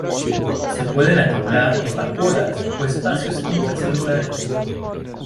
Se pueden acumular en vacuolas o espacios intercelulares.